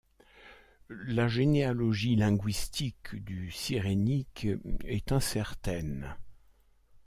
La généalogie linguistique du sirenik est incertaine.